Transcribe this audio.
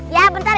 ya bentar ya